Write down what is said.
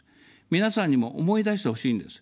皆さんにも思い出してほしいんです。